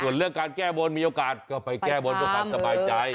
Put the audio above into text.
ถ้าเชื่อการแก้โบนมีโอกาสก็ไปแก้โบนกับความสบายใจ